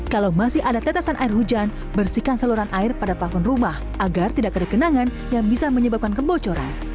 kalau masih ada tetesan air hujan bersihkan saluran air pada plafon rumah agar tidak ada kenangan yang bisa menyebabkan kebocoran